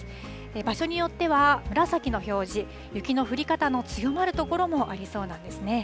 場所によっては、紫の表示、雪の降り方の強まる所もありそうなんですね。